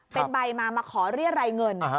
เป็นใบมามาขอเรียรายเงิน